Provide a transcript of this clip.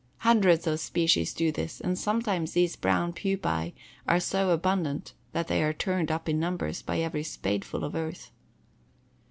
Hundreds of species do this and sometimes these brown pupæ are so abundant that they are turned up in numbers with every spadeful of earth.